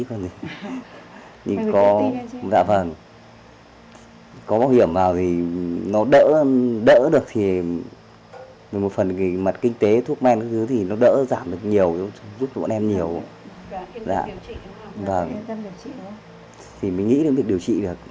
thì mình nghĩ được điều trị được